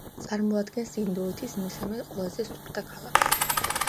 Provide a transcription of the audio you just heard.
წარმოადგენს ინდოეთის მესამე ყველაზე სუფთა ქალაქს.